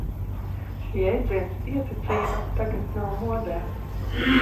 Jēdziens pieticība tagad nav modē.